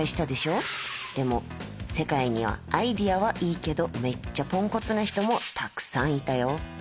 でも世界にはアイデアはいいけどめっちゃポンコツな人もたくさんいたよ。